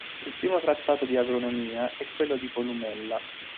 Il primo trattato di agronomia è quello di Columella.